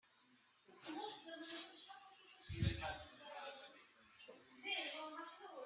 Les Phillies perdent toutefois la finale.